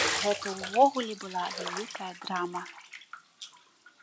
Гэта ўвогуле была вялікая драма.